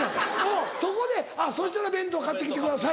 そこで「そしたら弁当買って来てください」